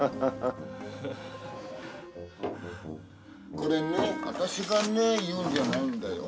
これね私がね言うんじゃないんだよ。